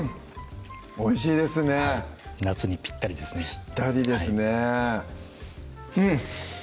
おいしいですね夏にぴったりですねぴったりですねうん！